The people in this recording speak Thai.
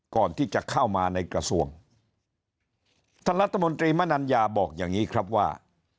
ก่อนที่จะเข้ามาในกระทรวงท่านรัฐมนตรีมนัญญาบอกอย่างนี้ครับว่า